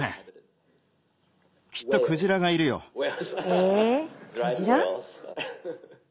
えクジラ？